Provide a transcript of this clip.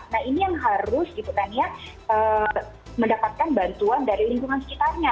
nah ini yang harus gitu kan ya mendapatkan bantuan dari lingkungan sekitarnya